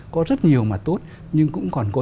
có rất nhiều mặt tốt nhưng cũng còn có